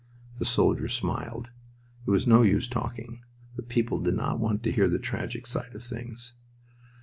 The soldier smiled. It was no use talking. The people did not want to hear the tragic side of things.